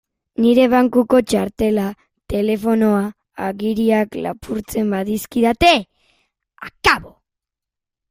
Nire bankuko txartela, telefonoa, agiriak... lapurtzen badizkidate, akabo!